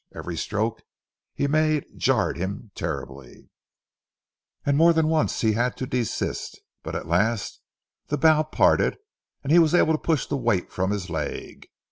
Every stroke he made jarred him terribly, and more than once he had to desist, but at last the bough parted, and he was able to push the weight from his leg.